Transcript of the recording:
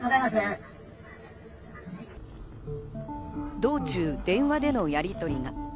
道中、電話でのやりとりが。